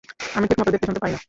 আমি ঠিকমতো দেখতে-শুনতে পাই না।